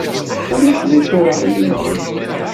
Ulac d acu ara ɣ-yenɣen.